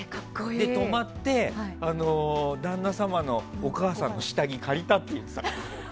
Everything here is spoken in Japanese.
泊まって旦那様のお母さんの下着を借りたって言ってた。